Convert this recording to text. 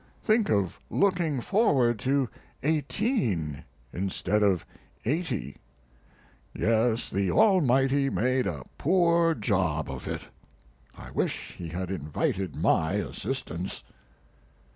Think of looking forward to eighteen instead of eighty! Yes, the Almighty made a poor job of it. I wish He had invited my assistance."